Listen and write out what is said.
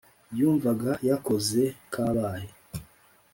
yumvaga yakoze kabaye